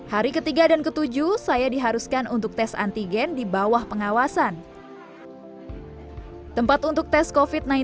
hari ketiga dan ketujuh saya diharuskan untuk tes antigen di bawah pengawasan tempat untuk tes covid sembilan belas